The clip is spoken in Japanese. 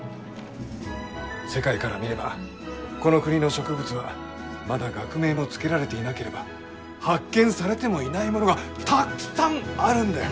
世界から見ればこの国の植物はまだ学名も付けられていなければ発見されてもいないものがたっくさんあるんだよ！